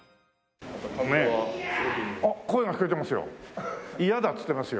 あっ声が聞こえてますよ。